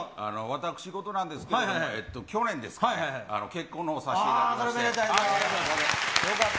私事なんですけれども、去年ですかね、結婚のほう、させていただきました。